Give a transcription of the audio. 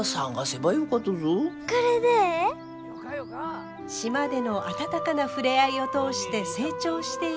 島での温かな触れ合いを通して成長していく舞。